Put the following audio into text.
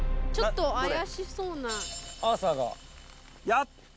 やった！